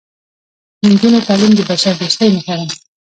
د نجونو تعلیم د بشردوستۍ نښه ده.